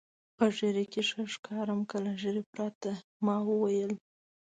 په ږیره کې ښه ښکارم که له ږیرې پرته؟ ما وویل.